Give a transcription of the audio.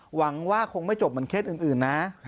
หวังว่าคงไม่จบเหมือนเคสอื่นนะ